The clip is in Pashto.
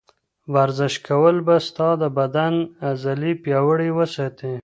ورزش کول به ستا د بدن عضلې پیاوړې وساتي.